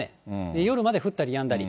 夜まで降ったりやんだり。